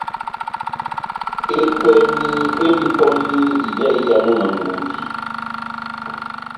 Ekwɛmi endi pɔni ija iyamu na ngudi